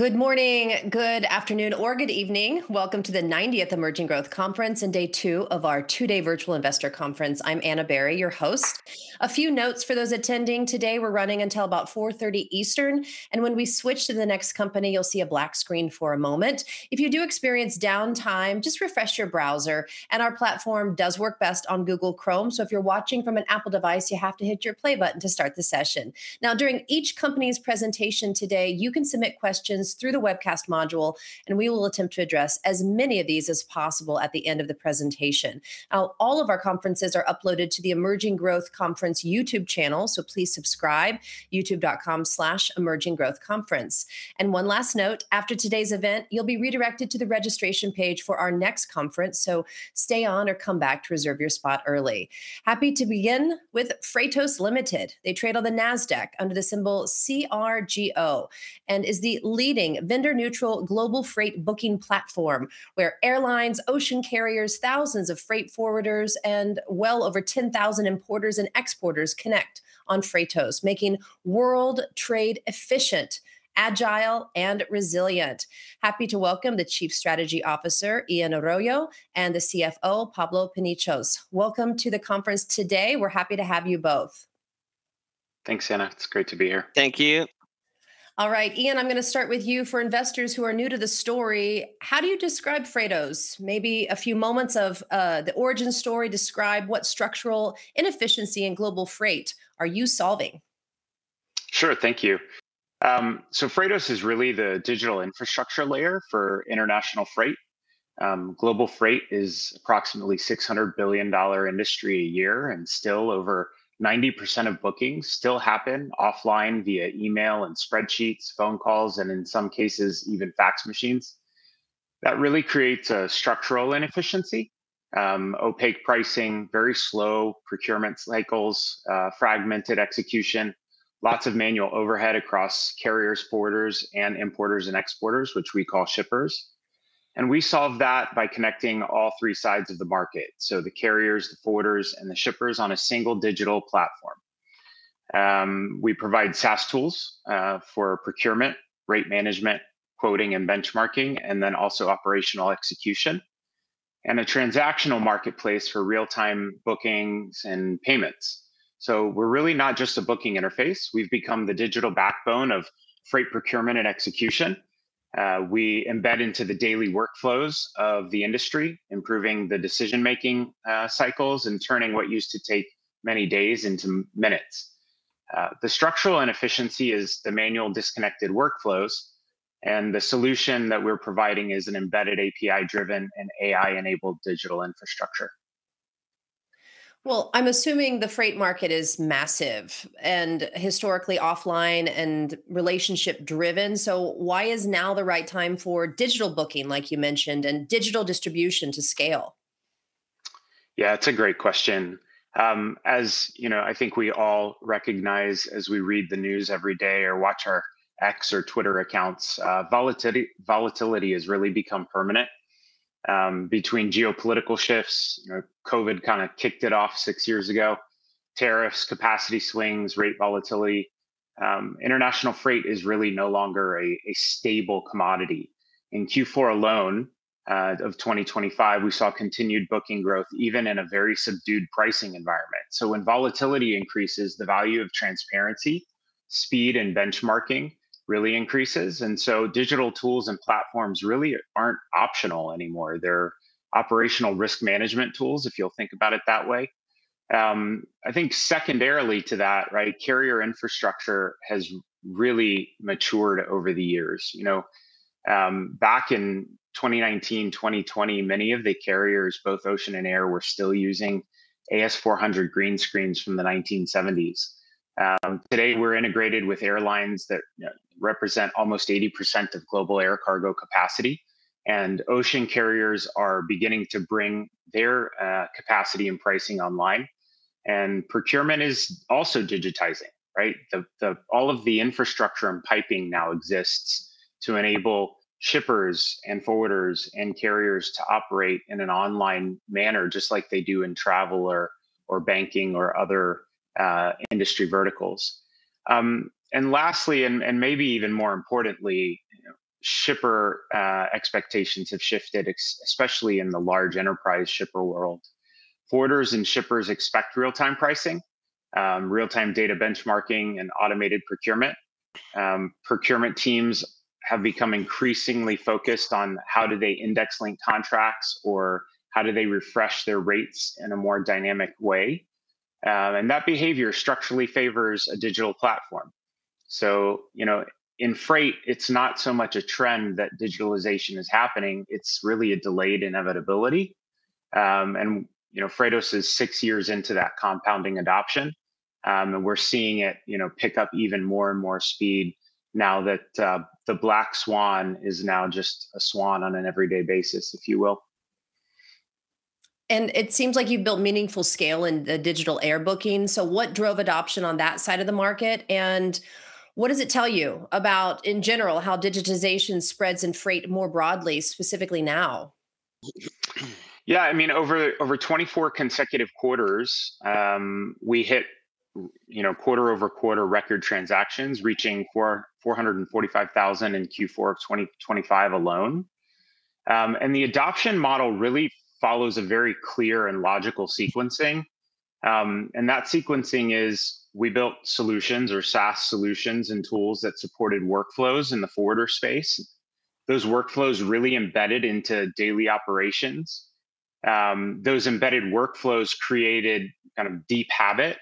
Good morning, good afternoon, or good evening. Welcome to the 90th Emerging Growth Conference, day two of our two-day virtual investor conference. I'm Ana Berry, your host. A few notes for those attending today, we're running until about 4:30 P.M. Eastern. When we switch to the next company, you'll see a black screen for a moment. If you do experience downtime, just refresh your browser. Our platform does work best on Google Chrome. If you're watching from an Apple device, you have to hit your play button to start the session. Now, during each company's presentation today, you can submit questions through the webcast module. We will attempt to address as many of these as possible at the end of the presentation. All of our conferences are uploaded to the Emerging Growth Conference YouTube channel. Please subscribe: youtube.com/emerginggrowthconference. One last note, after today's event, you'll be redirected to the registration page for our next conference, so stay on or come back to reserve your spot early. Happy to begin with Freightos Limited. They trade on the Nasdaq under the symbol CRGO, and is the leading vendor-neutral global freight booking platform, where airlines, ocean carriers, thousands of freight forwarders, and well over 10,000 importers and exporters connect on Freightos, making world trade efficient, agile, and resilient. Happy to welcome the Chief Strategy Officer, Ian Arroyo, and the CFO, Pablo Pinillos. Welcome to the conference today. We're happy to have you both. Thanks, Ana. It's great to be here. Thank you. All right, Ian, I'm gonna start with you. For investors who are new to the story, how do you describe Freightos? Maybe a few moments of the origin story? Describe what structural inefficiency in global freight are you solving? Sure, thank you. Freightos is really the digital infrastructure layer for international freight. Global freight is approximately $600 billion industry a year, and still over 90% of bookings still happen offline via email and spreadsheets, phone calls, and in some cases, even fax machines. That really creates a structural inefficiency, opaque pricing, very slow procurement cycles, fragmented execution, lots of manual overhead across carriers, forwarders, and importers and exporters, which we call shippers, and we solve that by connecting all three sides of the market, so the carriers, the forwarders, and the shippers on a single digital platform. We provide SaaS tools for procurement, rate management, quoting and benchmarking, and then also operational execution, and a transactional marketplace for real-time bookings and payments. We're really not just a booking interface, we've become the digital backbone of freight procurement and execution. We embed into the daily workflows of the industry, improving the decision-making cycles, and turning what used to take many days into minutes. The structural inefficiency is the manual disconnected workflows, and the solution that we're providing is an embedded API-driven and AI-enabled digital infrastructure. Well, I'm assuming the freight market is massive and historically offline and relationship-driven, so why is now the right time for digital booking, like you mentioned, and digital distribution to scale? Yeah, it's a great question. As you know, I think we all recognize, as we read the news every day or watch our X or Twitter accounts, volatility has really become permanent. Between geopolitical shifts, you know, COVID kind of kicked it off six years ago, tariffs, capacity swings, rate volatility, international freight is really no longer a stable commodity. In Q4 alone, of 2025, we saw continued booking growth, even in a very subdued pricing environment. When volatility increases, the value of transparency, speed, and benchmarking really increases, and so digital tools and platforms really aren't optional anymore. They're operational risk management tools, if you'll think about it that way. I think secondarily to that, right, carrier infrastructure has really matured over the years. You know, back in 2019, 2020, many of the carriers, both ocean and air, were still using AS/400 green screens from the 1970s. Today, we're integrated with airlines that, you know, represent almost 80% of global air cargo capacity, and ocean carriers are beginning to bring their capacity and pricing online, and procurement is also digitizing, right? All of the infrastructure and piping now exists to enable shippers and forwarders and carriers to operate in an online manner, just like they do in travel or banking or other industry verticals. Lastly, and maybe even more importantly, shipper expectations have shifted, especially in the large enterprise shipper world. Forwarders and shippers expect real-time pricing, real-time data benchmarking, and automated procurement. Procurement teams have become increasingly focused on how do they index link contracts, or how do they refresh their rates in a more dynamic way, and that behavior structurally favors a digital platform. You know, in freight, it's not so much a trend that digitalization is happening, it's really a delayed inevitability. You know, Freightos is six years into that compounding adoption, and we're seeing it, you know, pick up even more and more speed now that the black swan is now just a swan on an everyday basis, if you will. It seems like you've built meaningful scale in the digital air booking, so what drove adoption on that side of the market, and what does it tell you about, in general, how digitization spreads in freight more broadly, specifically now? I mean, over 24 consecutive quarters, we hit, you know, quarter-over-quarter record transactions, reaching 445,000 in Q4 of 2025 alone. The adoption model really follows a very clear and logical sequencing. That sequencing is, we built solutions or SaaS solutions and tools that supported workflows in the forwarder space. Those workflows really embedded into daily operations. Those embedded workflows created kind of deep habit,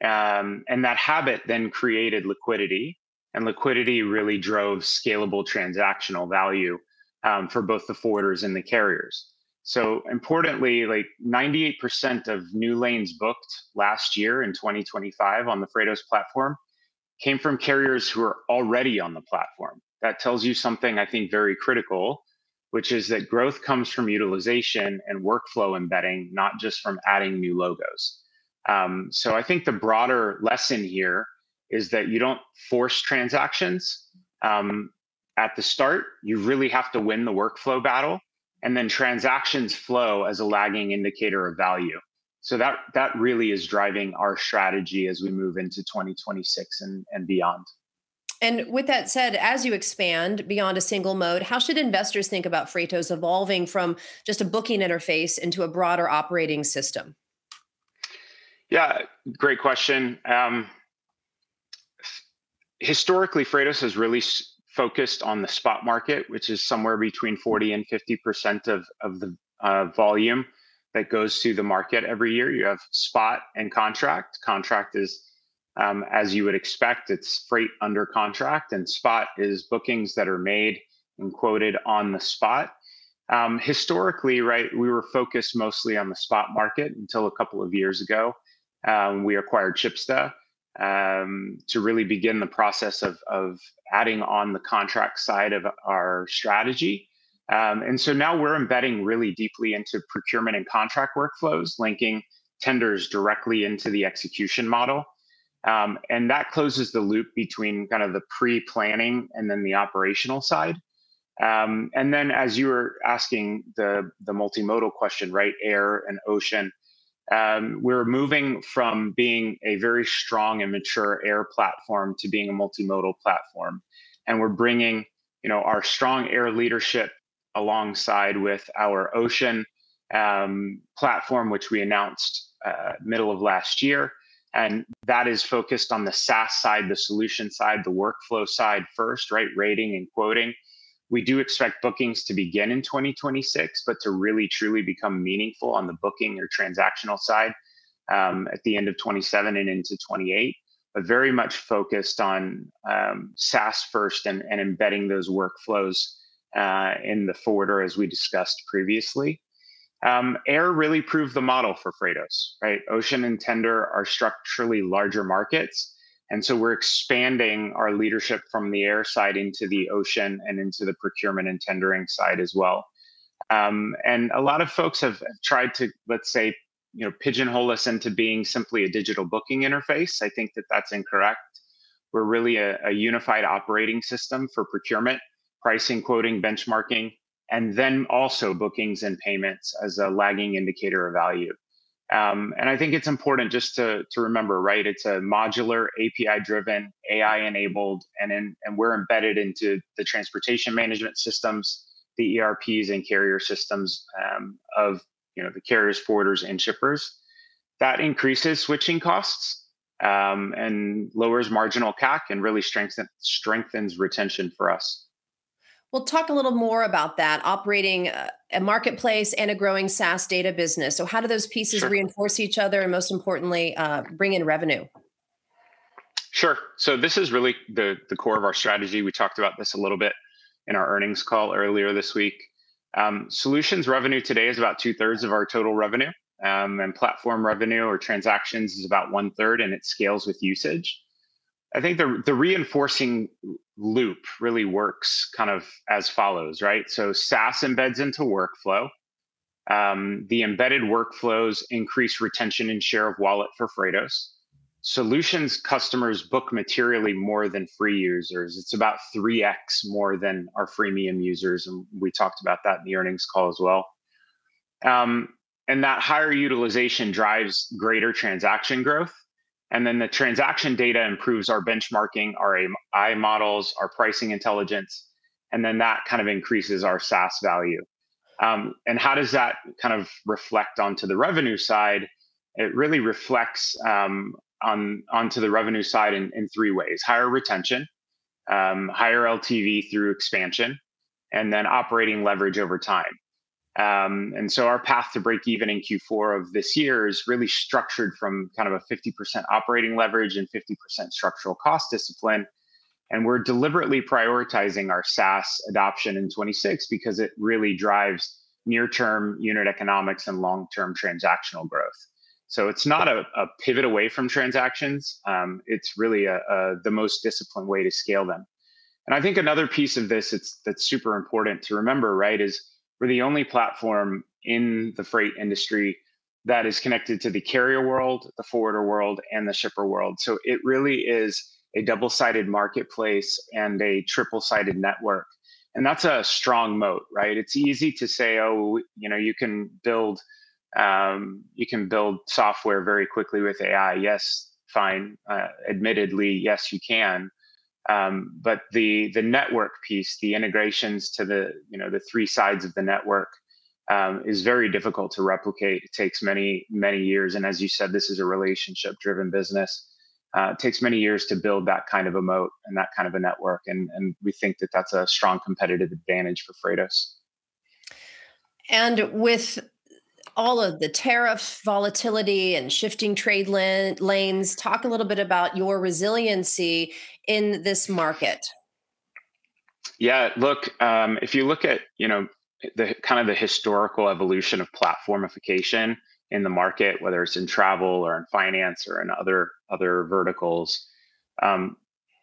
and that habit then created liquidity, and liquidity really drove scalable transactional value for both the forwarders and the carriers. Importantly, like, 98% of new lanes booked last year in 2025 on the Freightos platform, came from carriers who were already on the platform. That tells you something, I think, very critical, which is that growth comes from utilization and workflow embedding, not just from adding new logos. I think the broader lesson here is that you don't force transactions at the start. You really have to win the workflow battle, and then transactions flow as a lagging indicator of value. That, that really is driving our strategy as we move into 2026 and beyond. With that said, as you expand beyond a single mode, how should investors think about Freightos evolving from just a booking interface into a broader operating system? Yeah, great question. Historically, Freightos has really focused on the spot market, which is somewhere between 40% and 50% of the volume that goes through the market every year. You have spot and contract. Contract is, as you would expect, it's freight under contract, and Spot is bookings that are made and quoted on the spot. Historically, right, we were focused mostly on the spot market until a couple of years ago. We acquired SHIPSTA to really begin the process of adding on the contract side of our strategy. Now we're embedding really deeply into procurement and contract workflows, linking tenders directly into the execution model. That closes the loop between kind of the pre-planning and then the operational side. Then, as you were asking the multimodal question, right, air and ocean, we're moving from being a very strong and mature air platform to being a multimodal platform, and we're bringing, you know, our strong air leadership alongside with our ocean platform, which we announced middle of last year, and that is focused on the SaaS side, the solution side, the workflow side first, right, rating and quoting. We do expect bookings to begin in 2026, but to really truly become meaningful on the booking or transactional side, at the end of 2027 and into 2028. Very much focused on SaaS first and embedding those workflows in the forwarder, as we discussed previously. Air really proved the model for Freightos, right? Ocean and tender are structurally larger markets, we're expanding our leadership from the air side into the ocean and into the procurement and tendering side as well. A lot of folks have tried to, let's say, you know, pigeonhole us into being simply a digital booking interface. I think that that's incorrect. We're really a unified operating system for procurement, pricing, quoting, benchmarking, and then also bookings and payments as a lagging indicator of value. I think it's important just to remember, right, it's a modular, API-driven, AI-enabled, and we're embedded into the transportation management systems, the ERPs and carrier systems, of, you know, the carriers, forwarders, and shippers. That increases switching costs, and lowers marginal CAC and really strengthens retention for us. Talk a little more about that, operating a marketplace and a growing SaaS data business. How do those pieces? Sure. Reinforce each other and, most importantly, bring in revenue? Sure. This is really the core of our strategy. We talked about this a little bit in our earnings call earlier this week. Solutions revenue today is about 2/3 of our total revenue, and platform revenue or transactions is about 1/3, and it scales with usage. I think the reinforcing loop really works kind of as follows, right? SaaS embeds into workflow. The embedded workflows increase retention and share of wallet for Freightos. Solutions customers book materially more than free users. It's about 3x more than our freemium users, and we talked about that in the earnings call as well. That higher utilization drives greater transaction growth, and then the transaction data improves our benchmarking, our AI models, our pricing intelligence, and then that kind of increases our SaaS value. How does that kind of reflect onto the revenue side? It really reflects onto the revenue side in three ways: higher retention, higher LTV through expansion, and then operating leverage over time. Our path to break even in Q4 of this year is really structured from kind of a 50% operating leverage and 50% structural cost discipline, and we're deliberately prioritizing our SaaS adoption in 2026 because it really drives near-term unit economics and long-term transactional growth. It's not a pivot away from transactions, it's really the most disciplined way to scale them. I think another piece of this that's super important to remember, right, is we're the only platform in the freight industry that is connected to the carrier world, the forwarder world, and the shipper world. It really is a double-sided marketplace and a triple-sided network, and that's a strong moat, right? It's easy to say, "Oh, you know, you can build, you can build software very quickly with AI." Yes, fine. Admittedly, yes, you can, but the network piece, the integrations to the, you know, the three sides of the network, is very difficult to replicate. It takes many years, and as you said, this is a relationship-driven business. It takes many years to build that kind of a moat and that kind of a network, and we think that that's a strong competitive advantage for Freightos. With all of the tariffs, volatility, and shifting trade lanes, talk a little bit about your resiliency in this market. Yeah, look, if you look at, you know, the kind of the historical evolution of platformification in the market, whether it's in travel or in finance or in other verticals,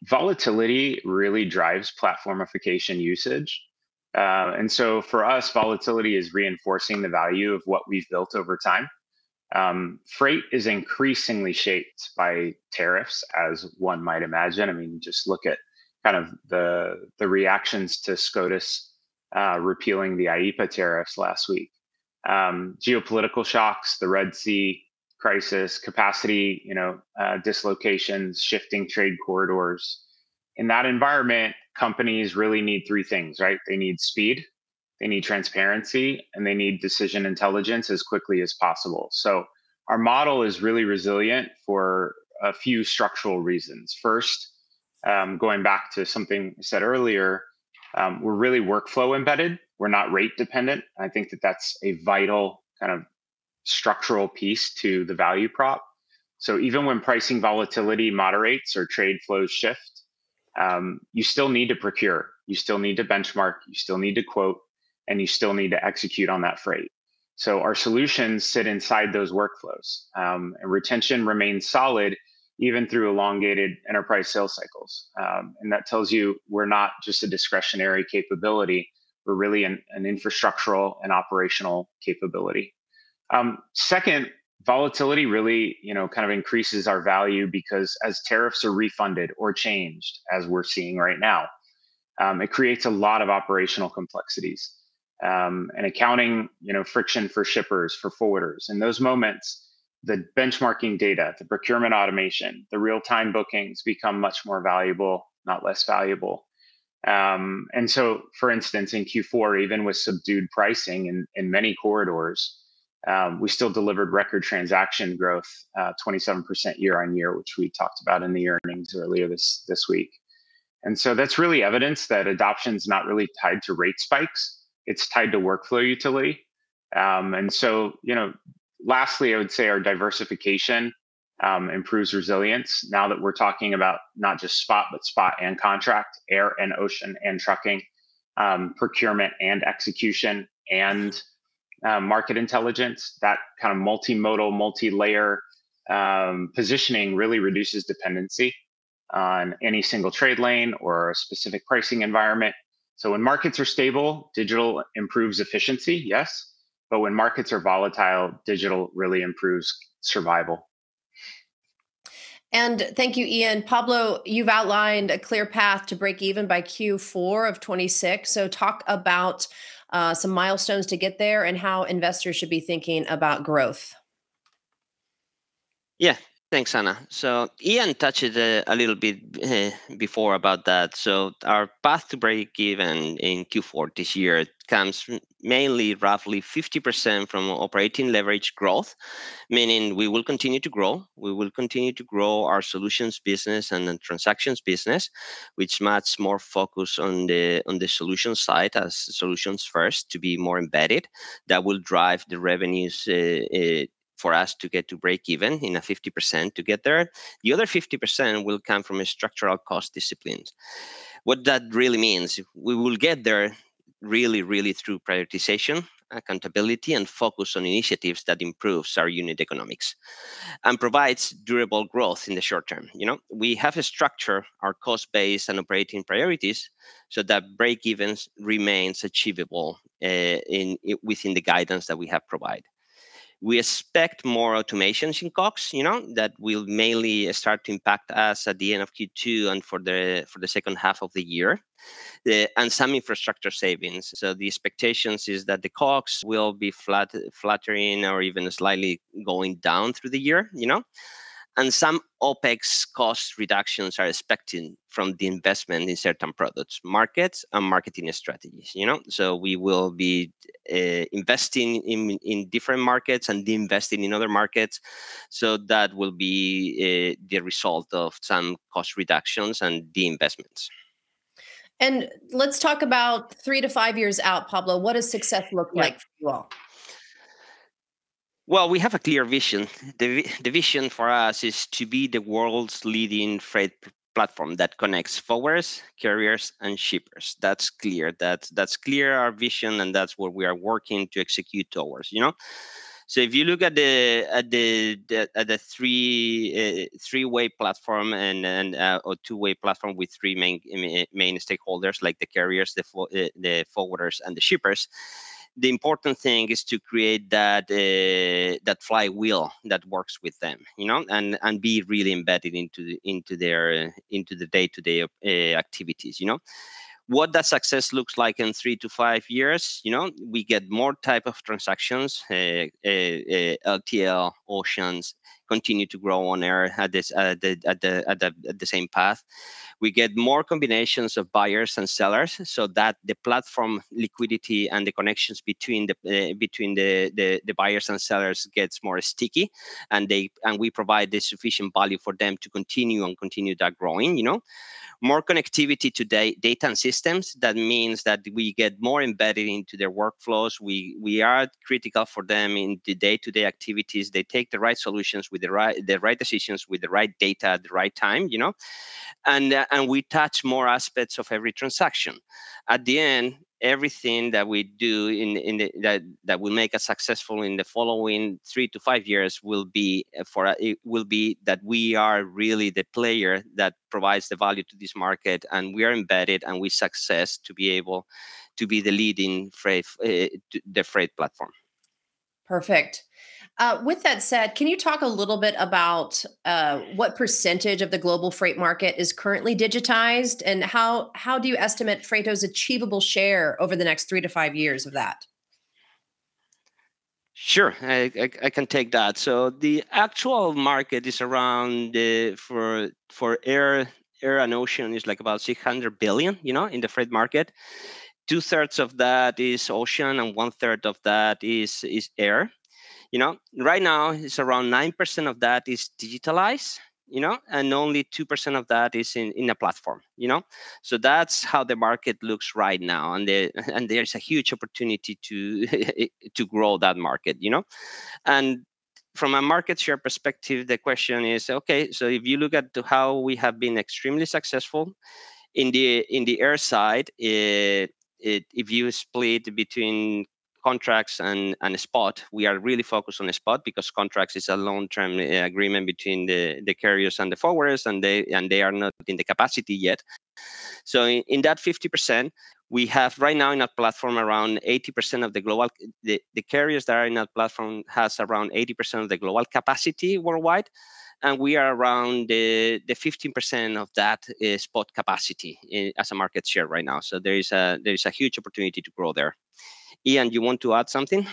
volatility really drives platformification usage. For us, volatility is reinforcing the value of what we've built over time. Freight is increasingly shaped by tariffs, as one might imagine. I mean, just look at kind of the reactions to SCOTUS repealing the IEEPA tariffs last week. Geopolitical shocks, the Red Sea crisis, capacity, you know, dislocations, shifting trade corridors. In that environment, companies really need 3 things, right? They need speed, they need transparency, and they need decision intelligence as quickly as possible. Our model is really resilient for a few structural reasons. First, going back to something you said earlier, we're really workflow embedded. We're not rate dependent. I think that that's a vital kind of structural piece to the value prop. Even when pricing volatility moderates or trade flows shift, you still need to procure, you still need to benchmark, you still need to quote, and you still need to execute on that freight. Our solutions sit inside those workflows, and retention remains solid even through elongated enterprise sales cycles. That tells you we're not just a discretionary capability, we're really an infrastructural and operational capability. Second, volatility really, you know, kind of increases our value because as tariffs are refunded or changed, as we're seeing right now, it creates a lot of operational complexities, and accounting, you know, friction for shippers, for forwarders. In those moments, the benchmarking data, the procurement automation, the real-time bookings become much more valuable, not less valuable. For instance, in Q4, even with subdued pricing in many corridors, we still delivered record transaction growth, 27% year-over-year, which we talked about in the earnings earlier this week. That's really evidence that adoption's not really tied to rate spikes, it's tied to workflow utility. You know, lastly, I would say our diversification, improves resilience now that we're talking about not just spot, but spot and contract, air and ocean and trucking, procurement and execution, and, market intelligence. That kind of multimodal, multilayer, positioning really reduces dependency on any single trade lane or a specific pricing environment. When markets are stable, digital improves efficiency, yes, but when markets are volatile, digital really improves survival. Thank you, Ian. Pablo, you've outlined a clear path to break even by Q4 of 2026, talk about some milestones to get there and how investors should be thinking about growth. Yeah. Thanks, Ana. Ian touched a little bit before about that. Our path to break even in Q4 this year comes from mainly roughly 50% from operating leverage growth, meaning we will continue to grow. We will continue to grow our solutions business and the transactions business, which much more focus on the solutions side, as solutions first to be more embedded. That will drive the revenues for us to get to break even in a 50% to get there. The other 50% will come from a structural cost disciplines. What that really means, we will get there really, really through prioritization, accountability, and focus on initiatives that improves our unit economics and provides durable growth in the short term. You know, we have to structure our cost base and operating priorities so that break-evens remains achievable within the guidance that we have provided. We expect more automations in costs, you know, that will mainly start to impact us at the end of Q2 and for the second half of the year and some infrastructure savings. The expectations is that the costs will be flattening or even slightly going down through the year, you know, and some OpEx cost reductions are expecting from the investment in certain products, markets, and marketing strategies, you know? We will be investing in different markets and divesting in other markets, that will be the result of some cost reductions and deinvestments. Let's talk about three to five years out, Pablo. What does success look like for you all? Well, we have a clear vision. The vision for us is to be the world's leading freight platform that connects forwarders, carriers, and shippers. That's clear. That's clear, our vision, and that's what we are working to execute towards, you know? If you look at the three-way platform and then or two-way platform with three main stakeholders, like the carriers, the forwarders, and the shippers, the important thing is to create that flywheel that works with them, you know, and be really embedded into their day-to-day activities, you know? What that success looks like in three to five years, you know, we get more type of transactions, LTL, oceans continue to grow on air, at the same path. We get more combinations of buyers and sellers, so that the platform liquidity and the connections between the buyers and sellers gets more sticky, and we provide the sufficient value for them to continue that growing, you know. More connectivity to data and systems, that means that we get more embedded into their workflows. We are critical for them in the day-to-day activities. They take the right solutions with the right decisions, with the right data at the right time, you know? We touch more aspects of every transaction. At the end, everything that we do in the that will make us successful in the following three to five years will be that we are really the player that provides the value to this market, and we are embedded, and we success to be able to be the leading freight the freight platform. Perfect. With that said, can you talk a little bit about what percentage of the global freight market is currently digitized, and how do you estimate Freightos' achievable share over the next three to five years of that? Sure. I can take that. The actual market is around for air and ocean, is like about $600 billion, you know, in the freight market. Two-thirds of that is ocean, and 1/3 of that is air. You know, right now, it's around 9% of that is digitalized, you know, and only 2% of that is in a platform, you know. That's how the market looks right now, and there's a huge opportunity to grow that market, you know. From a market share perspective, the question is, okay, so if you look at to how we have been extremely successful in the air side. If you split between contracts and spot, we are really focused on the spot because contracts is a long-term agreement between the carriers and the forwarders, and they are not in the capacity yet. In that 50%, we have right now in our platform, around 80% of the carriers that are in our platform has around 80% of the global capacity worldwide, and we are around the 15% of that is spot capacity as a market share right now. There is a huge opportunity to grow there. Ian, do you want to add something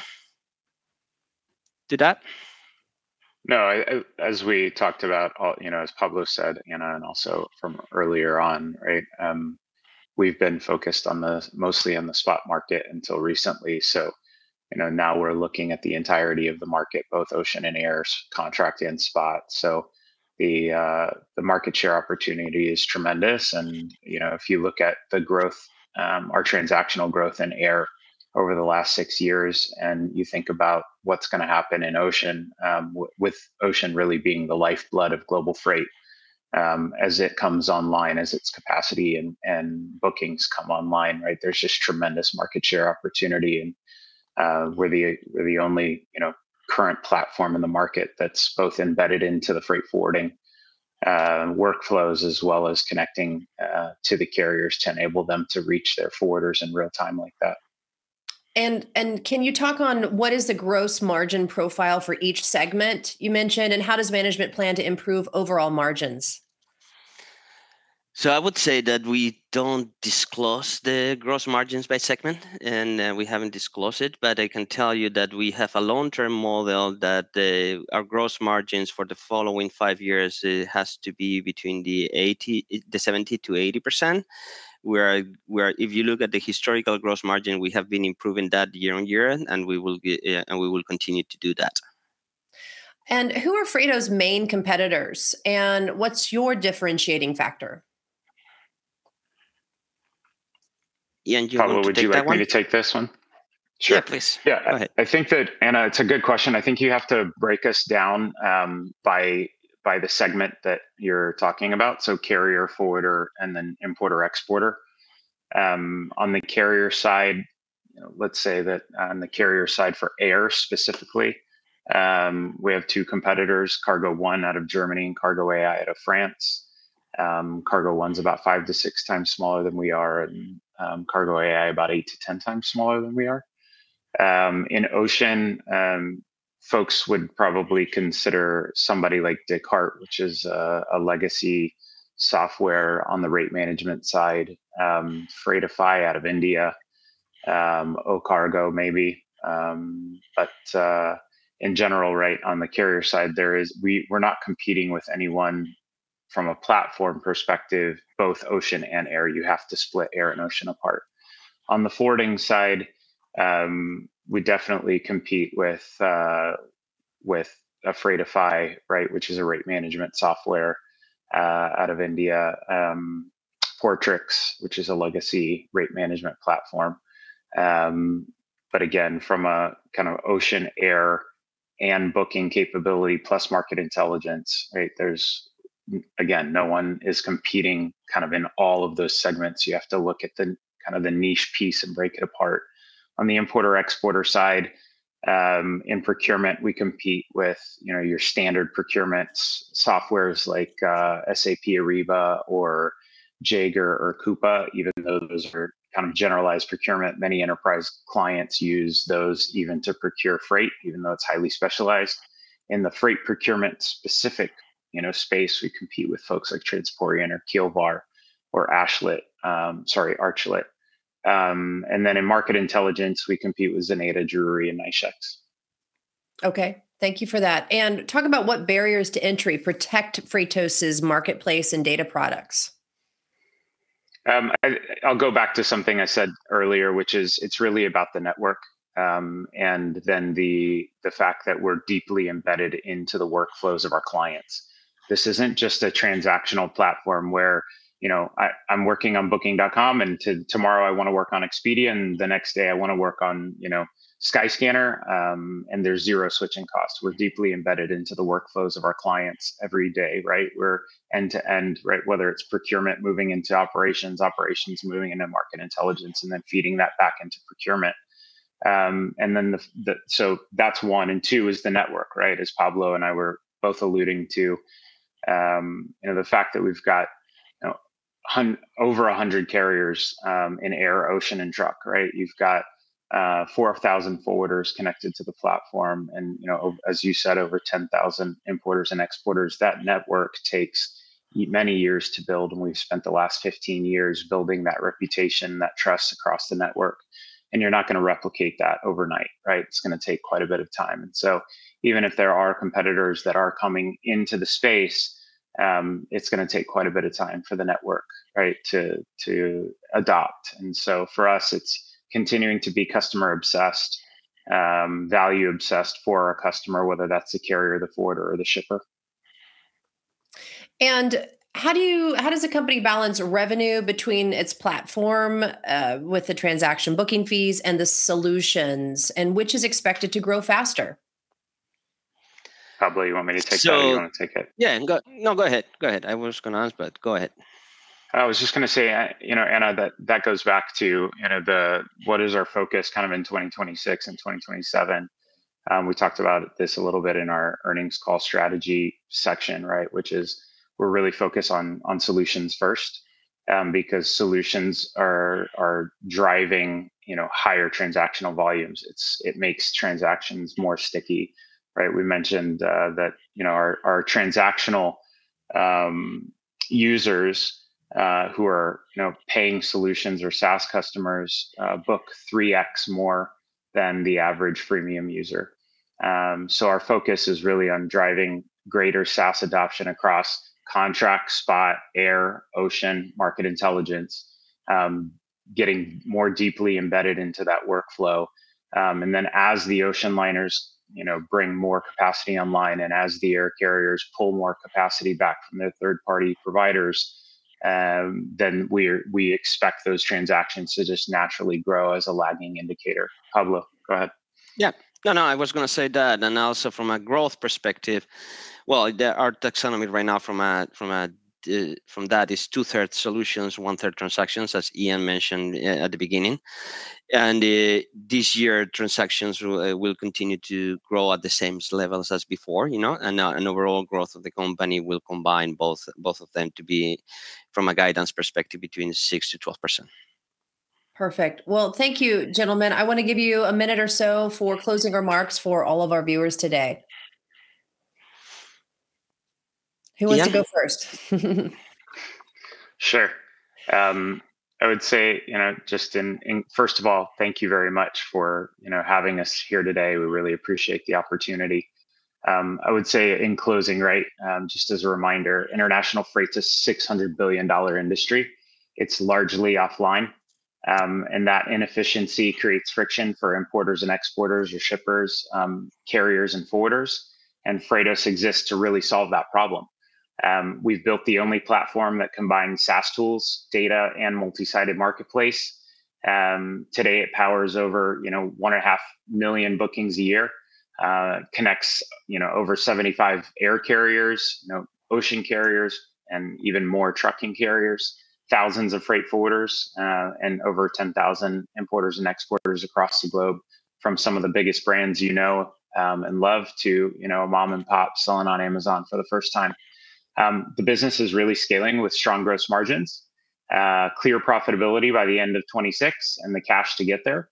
to that? No, I, as we talked about, you know, as Pablo said, Ana Berry, and also from earlier on, right, we've been focused mostly on the spot market until recently. You know, now we're looking at the entirety of the market, both ocean and air, contract and spot. The market share opportunity is tremendous and, you know, if you look at the growth, our transactional growth in air over the last six years, and you think about what's gonna happen in ocean, with ocean really being the lifeblood of global freight, as it comes online, as its capacity and bookings come online, right? There's just tremendous market share opportunity, and, we're the only, you know, current platform in the market that's both embedded into the freight forwarding, workflows, as well as connecting, to the carriers to enable them to reach their forwarders in real time like that. Can you talk on what is the gross margin profile for each segment you mentioned, and how does management plan to improve overall margins? I would say that we don't disclose the gross margins by segment, and we haven't disclosed it, but I can tell you that we have a long-term model that our gross margins for the following five years has to be between the 70%-80%, where if you look at the historical gross margin, we have been improving that year-over-year, and we will get and we will continue to do that. Who are Freightos' main competitors, and what's your differentiating factor? Ian, you want to take that one? Pablo, would you like me to take this one? Sure, please. Yeah. Go ahead. I think that, Ana, it's a good question. I think you have to break us down by the segment that you're talking about, so carrier, forwarder, and then importer, exporter. On the carrier side, let's say that on the carrier side for air specifically, we have two competitors, cargo.one out of Germany and CargoAi out of France. cargo.one's about five to six times smaller than we are, and CargoAi about eight to 10 times smaller than we are. In ocean, folks would probably consider somebody like Descartes, which is a legacy software on the rate management side, Freightify out of India, Okargo maybe. In general, right, on the carrier side, there is we're not competing with anyone from a platform perspective, both ocean and air. You have to split air and ocean apart. On the forwarding side, we definitely compete with a Freightify, right, which is a rate management software out of India, Portrix, which is a legacy rate management platform. Again, from a kind of ocean, air, and booking capability plus market intelligence, right, there's, again, no one is competing kind of in all of those segments. You have to look at the kind of the niche piece and break it apart. On the importer-exporter side, in procurement, we compete with, you know, your standard procurements, softwares like SAP Ariba or JAGGAER or Coupa, even though those are kind of generalized procurement. Many enterprise clients use those even to procure freight, even though it's highly specialized. In the freight procurement specific, you know, space, we compete with folks like Transporeon or Keelvar or Archlet. In market intelligence, we compete with Xeneta, Drewry, and NYSHEX. Okay, thank you for that. Talk about what barriers to entry protect Freightos' marketplace and data products? I'll go back to something I said earlier, which is, it's really about the network, and then the fact that we're deeply embedded into the workflows of our clients. This isn't just a transactional platform where, you know, I'm working on Booking.com, and tomorrow I wanna work on Expedia, and the next day I wanna work on, you know, Skyscanner, and there's zero switching costs. We're deeply embedded into the workflows of our clients every day, right? We're end-to-end, right, whether it's procurement moving into operations moving into market intelligence, and then feeding that back into procurement. So that's one, and two is the network, right? As Pablo and I were both alluding to, you know, the fact that we've got, you know, over 100 carriers in air, ocean, and truck, right? You've got 4,000 forwarders connected to the platform and, you know, as you said, over 10,000 importers and exporters. That network takes many years to build, and we've spent the last 15 years building that reputation, that trust across the network, and you're not gonna replicate that overnight, right? It's gonna take quite a bit of time. Even if there are competitors that are coming into the space, it's gonna take quite a bit of time for the network, right, to adopt. For us, it's continuing to be customer-obsessed, value-obsessed for our customer, whether that's the carrier, the forwarder, or the shipper. How does the company balance revenue between its platform, with the transaction booking fees and the solutions, and which is expected to grow faster? Pablo, you want me to take that? So- Or you wanna take it? Yeah, go. No, go ahead. Go ahead. I was gonna answer, but go ahead. I was just gonna say, you know, Ana, that that goes back to, you know, the what is our focus kind of in 2026 and 2027. We talked about this a little bit in our earnings call strategy section, right? Which is we're really focused on solutions first, because solutions are driving, you know, higher transactional volumes. It makes transactions more sticky, right? We mentioned that, you know, our transactional users, who are, you know, paying solutions or SaaS customers, book 3x more than the average freemium user. Our focus is really on driving greater SaaS adoption across contract, spot, air, ocean, market intelligence, getting more deeply embedded into that workflow. As the ocean liners, you know, bring more capacity online and as the air carriers pull more capacity back from their third-party providers, we expect those transactions to just naturally grow as a lagging indicator. Pablo, go ahead. Yeah. No, no, I was gonna say that. Also from a growth perspective, well, our taxonomy right now from a, from that is 2/3 solutions, 1/3 transactions, as Ian mentioned at the beginning. This year, transactions will continue to grow at the same levels as before, you know, an overall growth of the company will combine both of them to be, from a guidance perspective, between 6%-12%. Perfect. Well, thank you, gentlemen. I wanna give you a minute or so for closing remarks for all of our viewers today. Yeah. Who wants to go first? Sure. I would say, you know, First of all, thank you very much for, you know, having us here today. We really appreciate the opportunity. I would say in closing, right, just as a reminder, international freight is a $600 billion industry. It's largely offline, and that inefficiency creates friction for importers and exporters or shippers, carriers and forwarders, Freightos exists to really solve that problem. We've built the only platform that combines SaaS tools, data, and multi-sided marketplace. Today, it powers over 1.5 million bookings a year, connects over 75 air carriers, ocean carriers, and even more trucking carriers, thousands of freight forwarders, and over 10,000 importers and exporters across the globe from some of the biggest brands and love to a mom-and-pop selling on Amazon for the first time. The business is really scaling with strong gross margins, clear profitability by the end of 2026, and the cash to get there.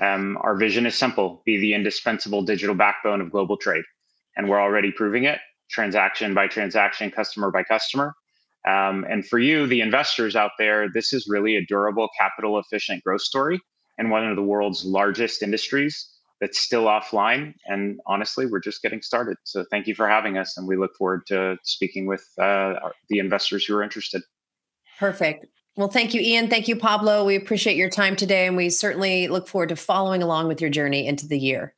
Our vision is simple, be the indispensable digital backbone of global trade. We're already proving it, transaction by transaction, customer by customer. For you, the investors out there, this is really a durable, capital-efficient growth story in one of the world's largest industries that's still offline, and honestly, we're just getting started. Thank you for having us, and we look forward to speaking with the investors who are interested. Perfect. Well, thank you, Ian. Thank you, Pablo. We appreciate your time today, and we certainly look forward to following along with your journey into the year.